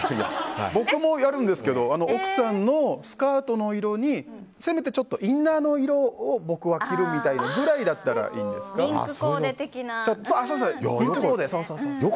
僕もやるんですけど奥さんのスカートの色にせめて、ちょっとインナーの色を僕は着るみたいなくらいならリンクコーデ的な。